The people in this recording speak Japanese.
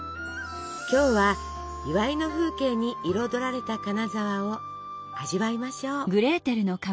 今日は祝いの風景に彩られた金沢を味わいましょう。